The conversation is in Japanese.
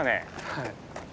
はい。